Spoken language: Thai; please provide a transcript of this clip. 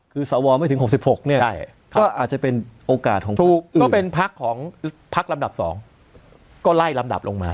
คือสวไม่ถึง๖๖ก็อาจจะเป็นโอกาสถูกก็เป็นพักลำดับ๒ก็ไล่ลำดับลงมา